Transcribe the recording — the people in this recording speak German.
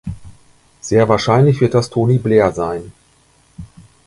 Sehr wahrscheinlich wird das Tony Blair sein.